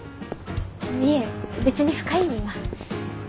いえ別に深い意味は。